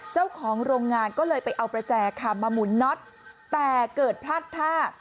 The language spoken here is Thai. เจ้าของโรงงานก็เลยไปเอาประแจค่ะมาหมุนน็อตแต่เกิดพลาดท่า